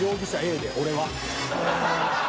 俺は。